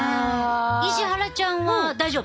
石原ちゃんは大丈夫？